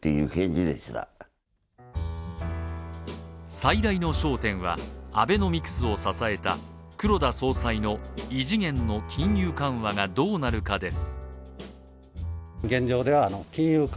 最大の焦点はアベノミクスを支えた黒田総裁の異次元の金融緩和がどうなるかです。